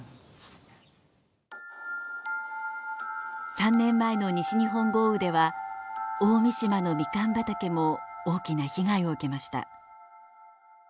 ３年前の西日本豪雨では大三島のみかん畑も大きな被害を受けました。